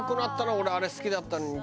俺あれ好きだったのに。